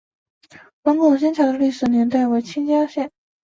龙仙拱桥的历史年代为清嘉庆。